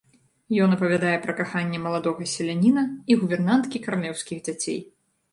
Ён апавядае пра каханне маладога селяніна і гувернанткі каралеўскіх дзяцей.